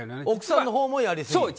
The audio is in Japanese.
奥さんのほうもやりすぎ？